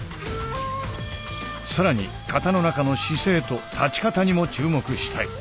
更に型の中の姿勢と立ち方にも注目したい。